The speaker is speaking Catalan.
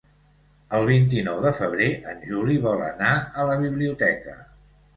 El vint-i-nou de febrer en Juli vol anar a la biblioteca.